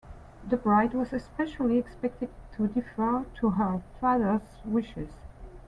The bride was especially expected to defer to her father's wishes.